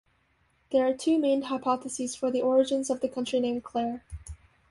There are two main hypotheses for the origins of the county name "Clare".